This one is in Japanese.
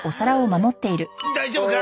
大丈夫か？